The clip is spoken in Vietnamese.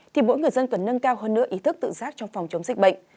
thì mỗi người dân cần nâng cao hơn nữa ý thức tự giác trong phòng chống dịch bệnh